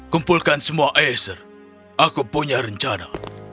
kumpulkan semua eser aku punya rencana